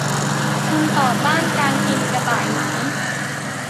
"คุณต่อต้านการกินกระต่ายไหม ?"